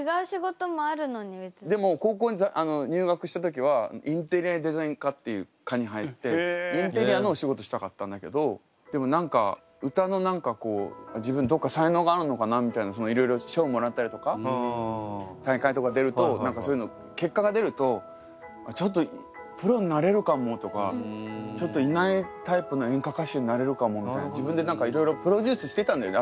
でもでも高校に入学した時はインテリアデザイン科っていう科に入ってインテリアのお仕事したかったんだけどでも何か歌の何かこう自分どっか才能があるのかなみたいないろいろ賞をもらったりとか大会とか出ると何かそういうの結果が出るとちょっとプロになれるかもとかちょっといないタイプの演歌歌手になれるかもみたいな自分で何かいろいろプロデュースしてたんだよね